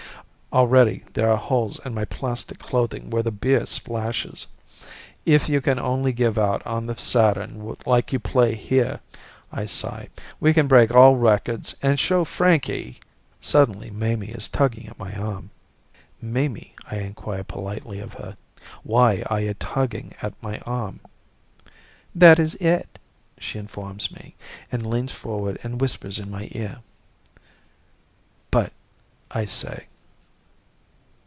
Already there are holes in my plastic clothing where the beer splashes. "If you can only give out on the Saturn like you play here," I sigh, "we can break all records and show Frankie " Suddenly Mamie is tugging at my arm. "Mamie," I inquire politely of her, "why are you tugging at my arm?" "That is it," she informs me and leans forward and whispers in my ear. "But " I say.